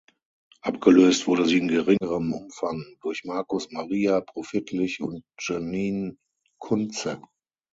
Abgelöst wurde sie in geringerem Umfang durch Markus Maria Profitlich und Janine Kunze.